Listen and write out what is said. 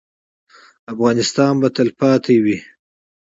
افغانستان به تلپاتې وي